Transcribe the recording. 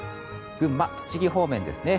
群馬、栃木方面ですね。